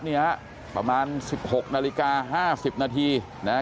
นี่ฮะประมาณสิบหกนาฬิกาห้าสิบนาทีนะฮะ